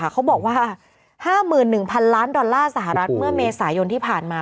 เขาบอกว่า๕๑๐๐๐ล้านดอลลาร์สหรัฐเมื่อเมษายนที่ผ่านมา